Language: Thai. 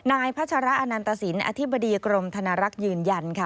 พัชระอนันตสินอธิบดีกรมธนรักษ์ยืนยันค่ะ